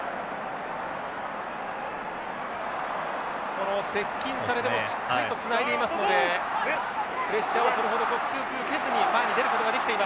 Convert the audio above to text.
この接近されてもしっかりとつないでいますのでプレッシャーをそれほど強く受けずに前に出ることができています。